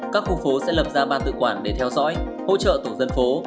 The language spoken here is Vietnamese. các khu phố sẽ lập ra ban tự quản để theo dõi hỗ trợ tổ dân phố